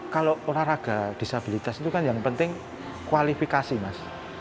kalau olahraga disabilitas itu kan yang penting kualifikasi mas